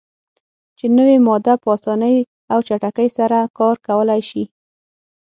چې نوی ماده "په اسانۍ او چټکۍ سره کار کولای شي.